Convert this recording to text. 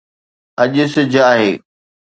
اڄ سج آهي